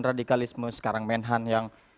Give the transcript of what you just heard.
radikalisme sekarang menhan yang